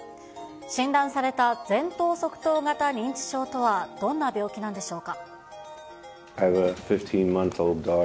診断された前頭側頭型認知症とはどんな病気なんでしょうか。